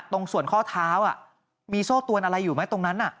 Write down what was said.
ตรงส่วนข้อเท้ามีโซ่ตวนอะไรอยู่ไหมตรงนั้น